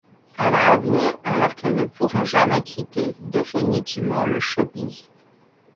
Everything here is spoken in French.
Elle a avoué alors qu'elle ne pourra jamais quitter définitivement le showbiz.